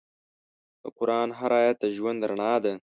د قرآن هر آیت د ژوند رڼا ده.